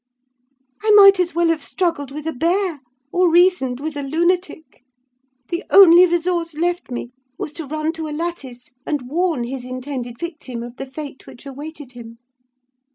"I might as well have struggled with a bear, or reasoned with a lunatic. The only resource left me was to run to a lattice and warn his intended victim of the fate which awaited him.